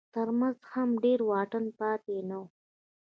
تر منځ هم ډېر واټن پاتې نه و.